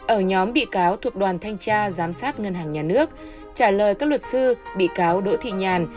ở nhóm bị cáo thuộc đoàn thanh tra giám sát ngân hàng nhà nước trả lời các luật sư bị cáo đỗ thị nhàn